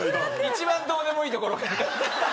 一番どうでもいいところから。